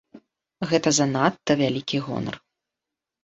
Гэта занадта вялікі гонар!